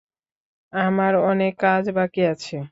আমার অনেক কাজ বাকি আছে।